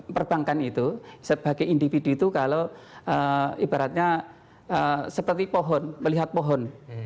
perbankan itu sebagai individu itu kalau ibaratnya seperti pohon melihat pohon